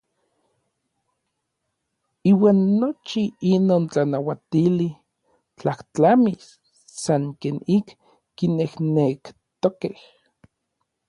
Iuan nochi inon tlanauatili tlajtlamis san ken ik kinejnektokej.